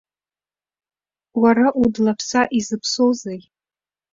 Уара удлаԥса изыԥсоузеи.